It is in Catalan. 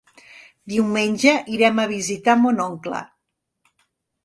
Diumenge irem a visitar mon oncle.